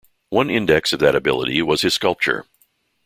One index of that ability was his sculpture.